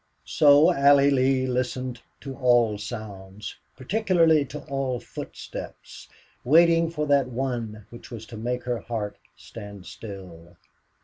So Allie Lee listened to all sounds, particularly to all footsteps, waiting for that one which was to make her heart stand still.